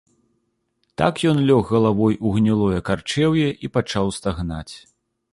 Так ён лёг галавой у гнілое карчэўе і пачаў стагнаць.